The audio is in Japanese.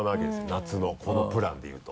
夏のこのプランでいうと。